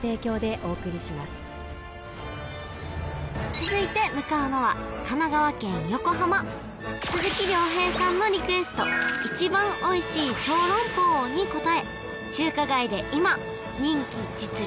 続いて向かうのは神奈川県横浜鈴木亮平さんのリクエスト一番おいしい小籠包に応え中華街で今人気実力